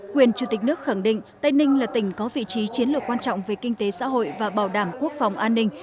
quyền chủ tịch nước khẳng định tây ninh là tỉnh có vị trí chiến lược quan trọng về kinh tế xã hội và bảo đảm quốc phòng an ninh